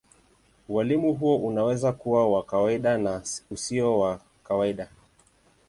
Ualimu huo unaweza kuwa wa kawaida na usio wa kawaida.